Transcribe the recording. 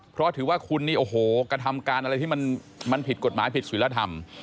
เพราะถือว่าคุณนี่โอ้โหกระทำการอะไรที่มันผิดกฎหมายผิดศิลธรรม